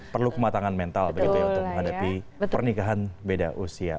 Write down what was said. perlu kematangan mental untuk menghadapi pernikahan beda usia